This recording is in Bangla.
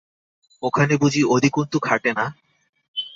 ওখানে বুঝি অধিকন্তু খাটে না?